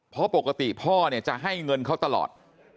เพราะปกติพ่อเนี่ยจะให้เงินเขาตลอด